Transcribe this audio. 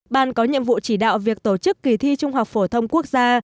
ban có nhiệm vụ chỉ đạo việc tổ chức kỳ thi trung học phổ thông quốc gia